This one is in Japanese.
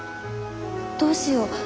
どうしよう？